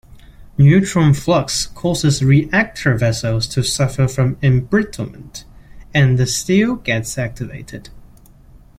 Neutron flux causes reactor vessels to suffer from embrittlement and the steel gets activated.